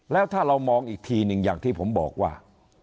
แล้วถ้าเรามองอีกทีหนึ่งอย่างที่ผมบอกว่า